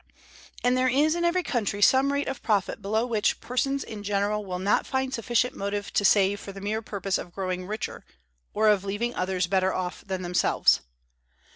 And there is in every country some rate of profit below which persons in general will not find sufficient motive to save for the mere purpose of growing richer, or of leaving others better off than themselves.